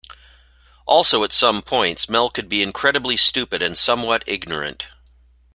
Also, at some points Mel could be incredibly stupid and somewhat ignorant.